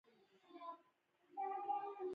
هغه دهلېز ته داخله شوه او زه هم کور ته راستون شوم.